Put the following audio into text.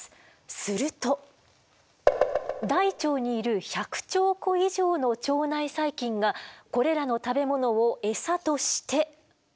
すると大腸にいる１００兆個以上の腸内細菌がこれらの食べ物をエサとして。